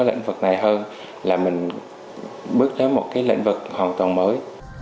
lĩnh vực này hơn là mình bước tới một lĩnh vực hoàn toàn mới